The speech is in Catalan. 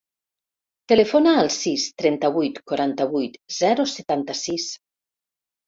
Telefona al sis, trenta-vuit, quaranta-vuit, zero, setanta-sis.